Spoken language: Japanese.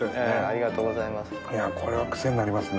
ありがとうございます。